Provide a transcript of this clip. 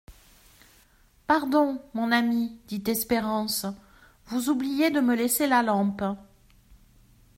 Pardon, mon ami, dit Espérance, vous oubliez de me laisser la lampe.